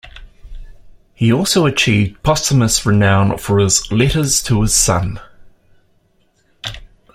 He also achieved posthumous renown for his "Letters to his Son".